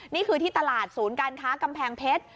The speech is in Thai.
นี่คือที่ตลาดศูนย์การค้ากำแพงเพชร